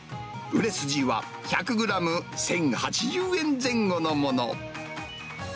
売れ筋は１００グラム１０８０円前後のもの。